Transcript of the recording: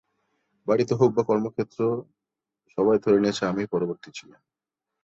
বাড়িতে হোক বা কর্মক্ষেত্রে, সবাই ধরে নিয়েছে আমিই পরবর্তী জিএম।